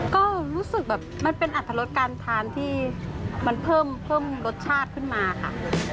ก็รู้สึกแบบมันเป็นอัตรรสการทานที่มันเพิ่มรสชาติขึ้นมาค่ะ